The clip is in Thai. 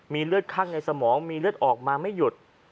เลือดข้างในสมองมีเลือดออกมาไม่หยุด